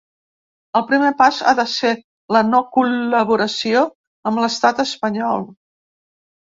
El primer pas ha de ser la no col·laboració amb l’estat espanyol.